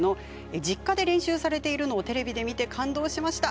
実家で練習されているのをテレビで見て、感動しました。